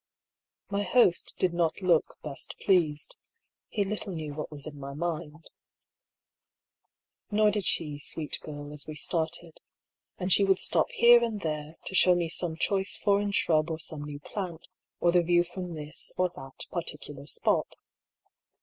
My host did not look best pleased. He little knew what was in my mind. IS'or did she, sweet girl, as we started ; and she would stop here and there to show me some choice foreign shrub or some new plant, or the view from this or that particular spot.